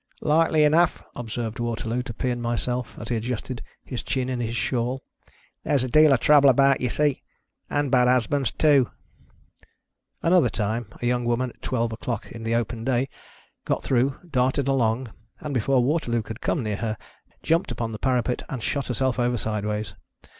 "Likely enough," observed Waterloo to Pea and myself, as he adjusted his chin in his shawl. " There's a deal of trouble about, you see — and bad husbands too !" Another time, a young woman at twelve o'clock in the open day, got through, darted along ; and, before Waterloo could come near her, jumped upon the parapet, and shot her self over sideways.